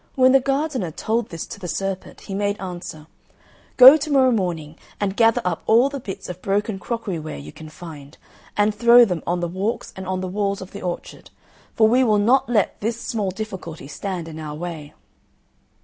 When the gardener told this to the serpent, he made answer, "Go to morrow morning and gather up all the bits of broken crockery ware you can find, and throw them on the walks and on the walls of the orchard; for we will not let this small difficulty stand in our way."